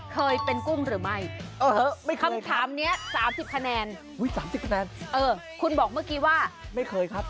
เคยเป็นกุ้งหรือไม่คำถามนี้๓๐คะแนน๓๐คะแนนเออคุณบอกเมื่อกี้ว่าไม่เคยครับ